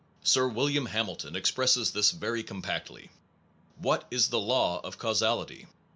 1 Sir William Hamilton expresses this very compactly: What is the law of Causality?